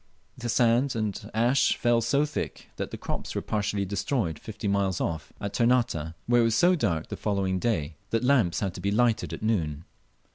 The sand and ashes fell so thick that the crops were partially destroyed fifty miles off, at Ternate, where it was so dark the following day that lamps had to be lighted at noon.